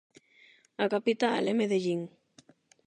A capital é Medellín.